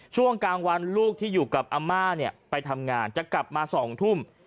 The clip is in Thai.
ช่วงกลางวันลูกที่อยู่กับอาม่าเนี่ยไปทำงานจะกลับมา๒ทุ่ม